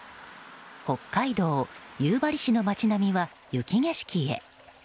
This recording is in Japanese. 北海道夕張市の街並みは雪景色へ。